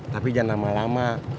tapi jangan lama lama